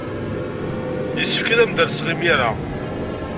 Yessefk ad am-d-alseɣ imir-a.